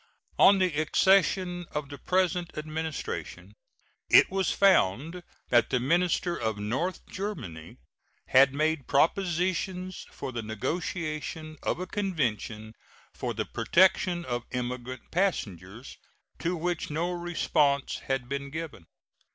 On the accession of the present Administration it was found that the minister for North Germany had made propositions for the negotiation of a convention for the protection of emigrant passengers, to which no response had been given.